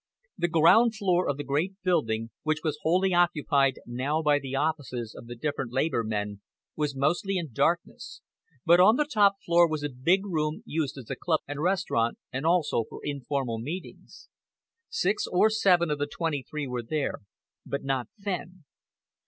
The ground floor of the great building, which was wholly occupied now by the offices of the different Labour men, was mostly in darkness, but on the top floor was a big room used as a club and restaurant, and also for informal meetings. Six or seven of the twenty three were there, but not Fenn.